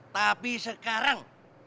tapi sekarang tau